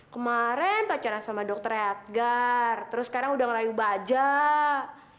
kemaren pacaran sama dokternya edgar terus sekarang udah ngerayu bajang